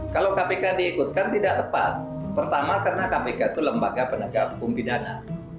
kalau kpk diikutkan tidak tepat pertama karena kpk itu lembaga penegak hukum pidana